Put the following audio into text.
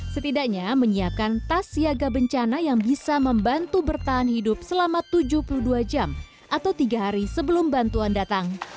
setidaknya menyiapkan tas siaga bencana yang bisa membantu bertahan hidup selama tujuh puluh dua jam atau tiga hari sebelum bantuan datang